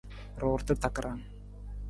Ruurata takarang.